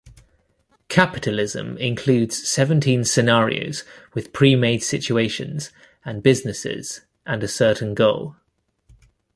"Capitalism" includes seventeen scenarios with pre-made situations and businesses and a certain goal.